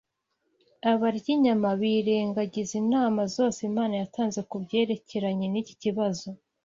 Abarya inyama birengagiza inama zose Imana yatanze ku byerekeranye n’iki kibazo